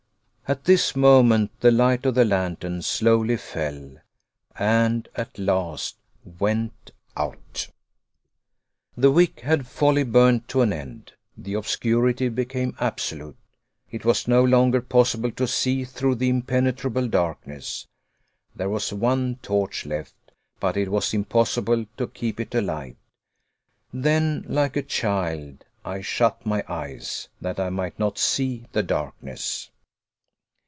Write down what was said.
At this moment, the light of the lantern slowly fell, and at last went out! The wick had wholly burnt to an end. The obscurity became absolute. It was no longer possible to see through the impenetrable darkness! There was one torch left, but it was impossible to keep it alight. Then, like a child, I shut my eyes, that I might not see the darkness.